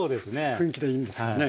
雰囲気でいいんですかね？